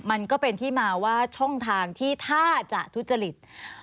มันก็เป็นที่มาว่าช่องทางที่ถ้าจะทุจริต